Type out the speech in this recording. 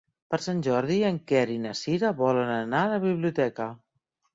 Per Sant Jordi en Quer i na Cira volen anar a la biblioteca.